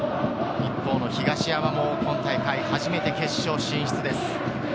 一方の東山も今大会初めて決勝進出です。